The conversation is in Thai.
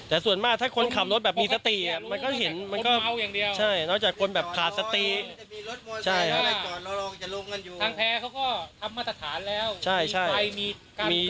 แต่ส่วนมากถ้าคนขับรถแบบมีสติมันก็เห็นมันก็นอกจากคนแบบผ่านสติ